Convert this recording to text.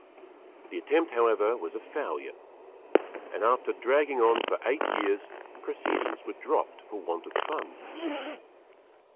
The attempt, however, was a failure, and, after dragging on for eight years, proceedings were dropped for want of funds.